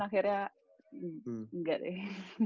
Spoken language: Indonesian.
dan akhirnya enggak deh